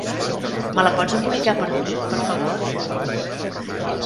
Me la pots embolicar per mi, per favor?